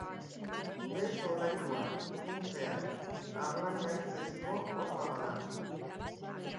Behe-solairua, funtsean, harlangaitzezko horma bat da.